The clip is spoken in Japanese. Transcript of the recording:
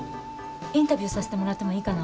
インタビューさせてもらってもいいかな？